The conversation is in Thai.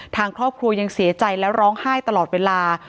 ทางครอบครัวยังเสียใจและร้องไห้ตลอดเวลา